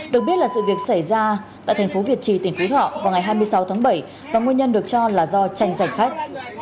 được biết là sự việc xảy ra tại thành phố việt trì tỉnh phú thọ vào ngày hai mươi sáu tháng bảy và nguyên nhân được cho là do tranh giành khách